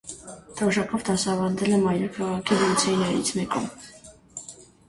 Թոշակով դասավանդել է մայրաքաղաքի լիցեյներից մեկում։